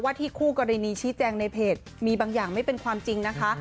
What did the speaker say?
ที่คู่กรณีชี้แจงในเพจมีบางอย่างไม่เป็นความจริงนะคะ